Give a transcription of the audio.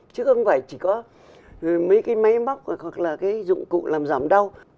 chứ không phải chỉ có mấy cái máy móc hoặc là cái dụng cụ làm giảm đau